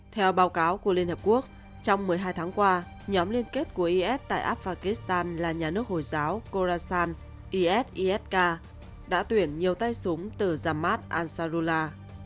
theo báo cáo của liên hợp quốc trong một mươi hai tháng qua nhóm liên kết của is tại afghanistan là nhà nước hồi giáo khorasan is isk đã tuyển nhiều tay súng từ jammat ansarullah